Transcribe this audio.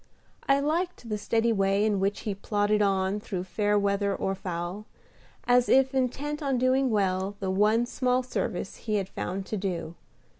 I liked the steady way in which he plodded on through fair weather or foul, as if intent on doing well the one small service he had found to do.